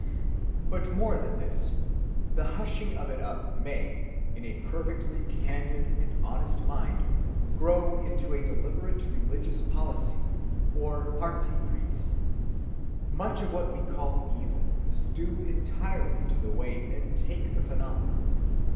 But more than this: the hushing of it up may, in a perfectly candid and honest mind, grow into a deliberate religious policy, or parti pris. Much of what we call evil is due entirely to the way men take the phenomenon.